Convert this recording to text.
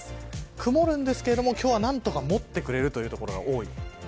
曇るんですけれども今日は何とかもってくれるという所が多い。